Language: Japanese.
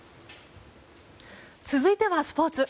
続いてはスポーツ。